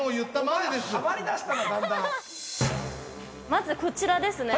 ◆まず、こちらですね。